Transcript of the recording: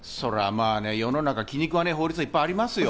世の中、気にくわねえ法律はいっぱいありますよ。